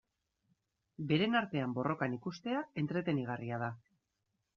Beren artean borrokan ikustea entretenigarria da.